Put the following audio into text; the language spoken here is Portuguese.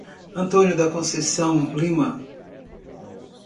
Antônio da Conceição Lima